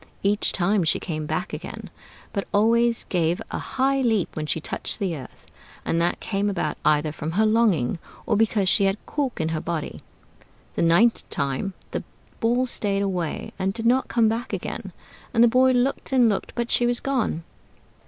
Each time she came back again, but always gave a high leap when she touched the earth; and that came about either from her longing, or because she had a cork in her body. The ninth time the Ball stayed away and did not come back again; and the boy looked and looked, but she was gone.